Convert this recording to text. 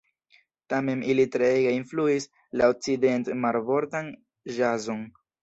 Tamen ili treege influis la okcident-marbordan ĵazon.